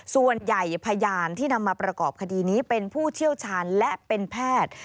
ส่วนใหญ่พยานที่นำมาประกอบคดีนี้เป็นผู้เชี่ยวชาญและเป็นแพทย์